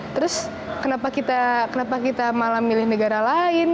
terus kenapa kita malah milih negara lain